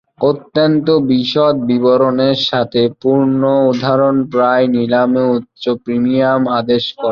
অত্যন্ত বিশদ বিবরণের সাথে পূর্ণ উদাহরণ প্রায়ই নিলামে উচ্চ প্রিমিয়াম আদেশ করে।